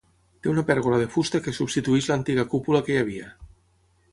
Té una pèrgola de fusta que substitueix l'antiga cúpula que hi havia.